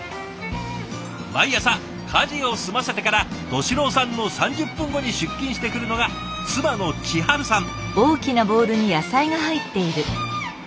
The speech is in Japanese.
毎朝家事を済ませてから寿郎さんの３０分後に出勤してくるのが妻の千春さん。